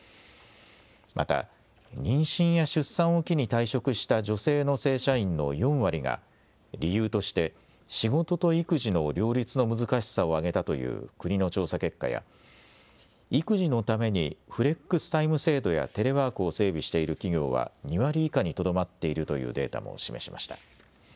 また妊娠や出産を機に退職した女性の正社員の４割が理由として仕事と育児の両立の難しさを挙げたという国の調査結果や育児のためにフレックスタイム制度やテレワークを整備している企業は２割以下にとどまっているというデータも示しました。